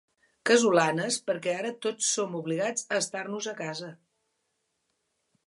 Casolanes perquè ara tots som obligats a estar-nos a casa.